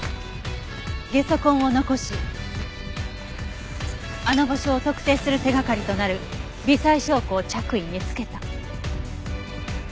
ゲソ痕を残しあの場所を特定する手掛かりとなる微細証拠を着衣に付けた。